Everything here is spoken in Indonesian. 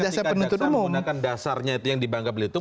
jadi maksudnya jika jaksa menggunakan dasarnya yang di bangka belitung